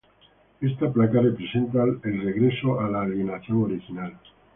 Ésta placa representa el regreso a la alineación original.